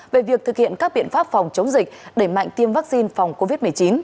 về việc thực hiện các biện pháp phòng chống dịch đẩy mạnh tiêm vaccine phòng covid một mươi chín